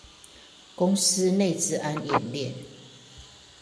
公司內資安演練